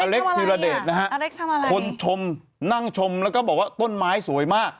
อเล็กซ์ทำอะไรนี่อเล็กซ์ทำอะไรอเล็กซ์พิราเดชนะฮะคนชมนั่งชมแล้วก็บอกว่าต้นไม้สวยมาก